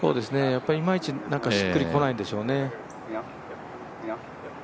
いまいち、しっくりこないんでしょうね。